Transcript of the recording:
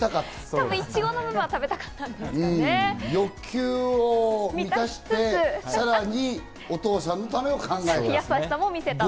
多分、いちごの部分が食べた欲求を満たして、さらにお父さんのためを考えて。